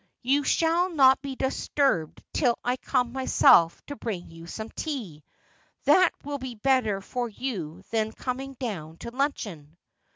You shall not be disturbed till I come myself to bring you some tea. That will be better for you than coming down to luncheon.'